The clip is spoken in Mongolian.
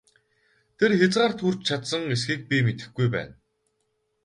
Тэр хязгаарт хүрч чадсан эсэхийг би мэдэхгүй байна!